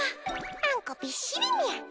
あんこびっしりみゃ。